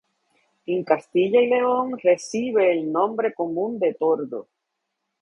En Castilla y León recibe el nombre común de tordo.